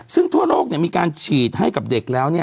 ซึ่งทั่วโลกมีการฉีดให้กับเด็กแล้ว